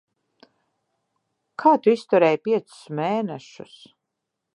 Kā tu izturēji piecus mēnešus?